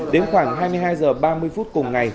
đến khoảng hai mươi hai h ba mươi phút cùng ngày